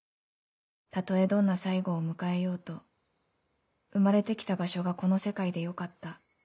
たとえどんな最期を迎えようと生まれて来た場所がこの世界でよかった。